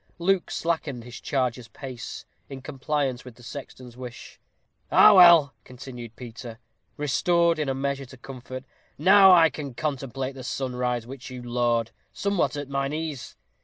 Luke slackened his charger's pace, in compliance with the sexton's wish. "Ah! well," continued Peter, restored in a measure to comfort; "now I can contemplate the sunrise, which you laud, somewhat at mine ease.